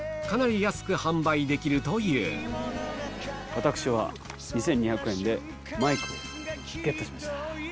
私は２２００円でマイクをゲットしました。